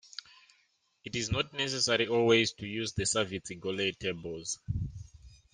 It is not necessary always to use the Savitzky-Golay tables.